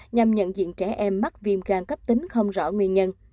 nhằm nhận diện trẻ em mắc viêm gan cấp tính không rõ nguyên nhân